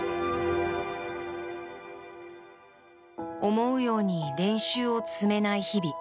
思うように練習を積めない日々。